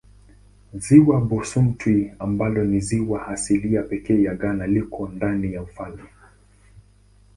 Ziwa Bosumtwi ambalo ni ziwa asilia pekee ya Ghana liko ndani ya ufalme.